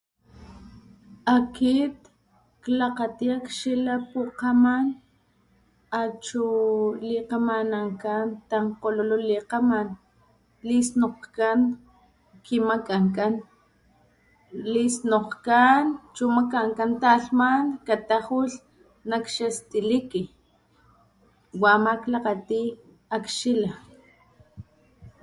Akit klakgati akxila pukgaman achu likgamanankan tankgololo likgaman lisnokkan kimakankan lisnonkan chumakankan talhman katajulh nak xastiliki wa ama klakgati akxila.